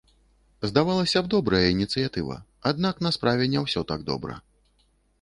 Здавалася б, добрая ініцыятыва, аднак на справе не ўсё так добра.